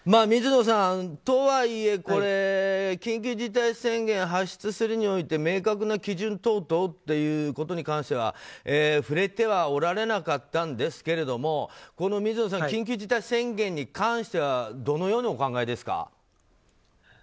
水野さん、とはいえ緊急事態宣言を発出するにおいて明確な基準等々ということに関しては触れてはおられなかったんですけれども緊急事態宣言に関してはどのようにお考えですか？